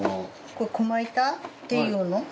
これこま板っていうの？